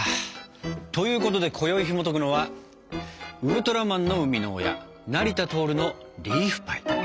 ということでこよいひもとくのは「ウルトラマンの生みの親成田亨のリーフパイ」。